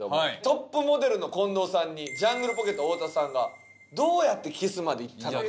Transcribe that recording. トップモデルの近藤さんにジャングルポケット太田さんがどうやってキスまでいったのか？